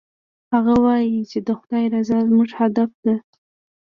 هغه وایي چې د خدای رضا زموږ هدف ده